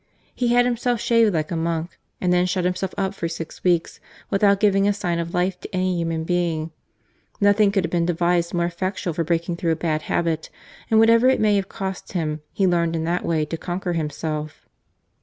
He had himself shaved like a monk, and then shut himself up for six weeks without giving a sign of life to any human being. Nothing could have been devised more effectual for breaking through a bad habit, and whatever it may have cost him, he learned in that way to conquer himself.